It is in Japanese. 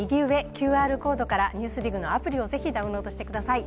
ＱＲコードから「ＮＥＷＳＤＩＧ」のアプリを是非ダウンロードしてください。